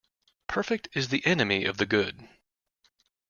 Perfect is the enemy of the good.